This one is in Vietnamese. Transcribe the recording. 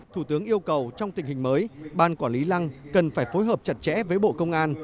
thủ tướng yêu cầu trong tình hình mới ban quản lý lăng cần phải phối hợp chặt chẽ với bộ công an